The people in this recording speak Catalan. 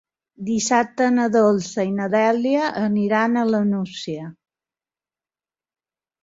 Dissabte na Dolça i na Dèlia aniran a la Nucia.